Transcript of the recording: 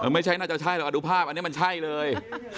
ไม่ใช่น่าจะใช่หรอกดูภาพอันนี้มันใช่เลย